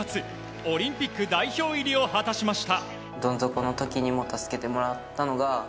オリンピック代表入りを果たしました。